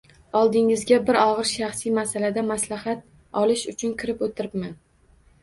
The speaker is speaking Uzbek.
— Oldingizga bir og’ir shaxsiy masalada maslahat olish uchun kirib turibman.